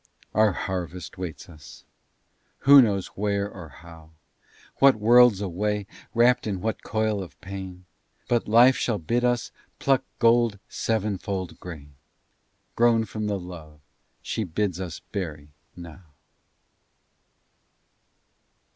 Our harvest waits us. Who knows where or how, What worlds away, wrapped in what coil of pain? But Life shall bid us pluck gold sevenfold grain Grown from the love she bids us bury now.